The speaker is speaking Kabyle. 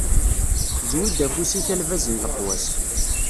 Zwi-d afus-ik a lbaz n leqwas.